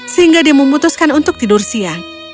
sehingga dia memutuskan untuk tidur siang